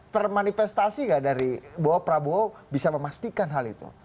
permanifestasi nggak dari bahwa prabowo bisa memastikan hal itu